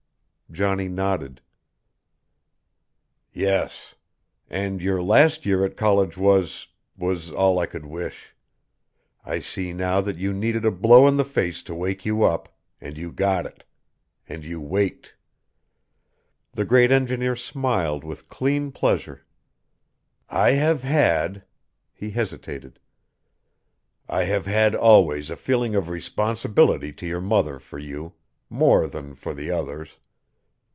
Johnny nodded. "Yes. And your last year at college was was all I could wish. I see now that you needed a blow in the face to wake you up and you got it. And you waked." The great engineer smiled with clean pleasure. "I have had" he hesitated "I have had always a feeling of responsibility to your mother for you more than for the others.